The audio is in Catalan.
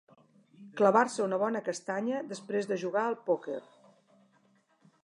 Clavar-se una bona castanya després de jugar al pòquer.